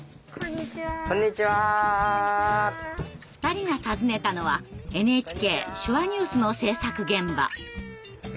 ２人が訪ねたのは「ＮＨＫ手話ニュース」の制作現場。